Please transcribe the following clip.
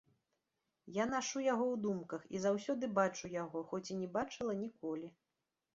Я нашу яго ў думках, і заўсёды бачу яго, хоць і не бачыла ніколі.